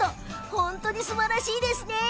本当にすばらしいですね。